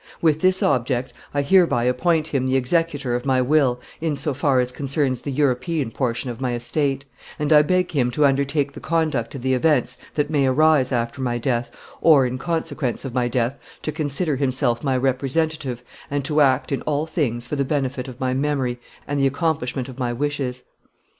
With this object, I hereby appoint him the executor of my will in so far as concerns the European portion of my estate, and I beg him to undertake the conduct of the events that may arise after my death or in consequence of my death to consider himself my representative and to act in all things for the benefit of my memory and the accomplishment of my wishes.